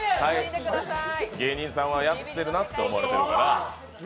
芸人さんはやってるなって思われてるから。